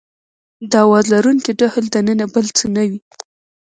د اواز لرونکي ډهل دننه بل څه نه وي.